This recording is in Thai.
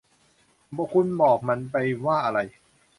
คุณบอกมันไปว่าอะไร